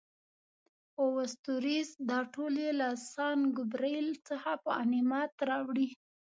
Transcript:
اووه ستوریز، دا ټول یې له سان ګبرېل څخه په غنیمت راوړي.